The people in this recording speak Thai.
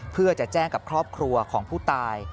เพื่อจะแจ้งกับครอบครัวของผู้ตาย